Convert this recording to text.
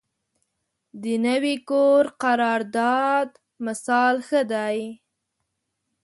د نوي کور قرارداد مثال ښه دی.